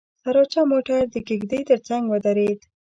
سراچه موټر د کېږدۍ تر څنګ ودرېد.